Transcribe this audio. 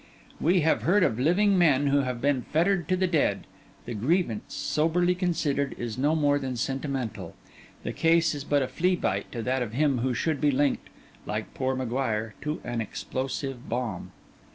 We have heard of living men who have been fettered to the dead; the grievance, soberly considered, is no more than sentimental; the case is but a flea bite to that of him who should be linked, like poor M'Guire, to an explosive bomb.